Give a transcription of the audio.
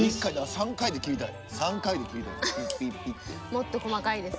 ３回で切りたい。